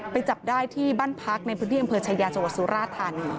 ไปจับได้ที่บั้นพรรคในพืชเที่ยงปืนชายาโจทย์ซุราธรรมี